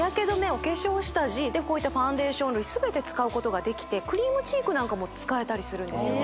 お化粧下地ファンデーション類全て使うことができてクリームチークなんかも使えたりするんですよね